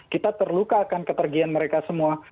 kita terluka akan kepergian mereka semua